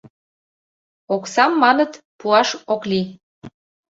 — Оксам, маныт, пуаш ок лий.